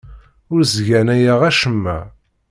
Ur ssganayeɣ acemma.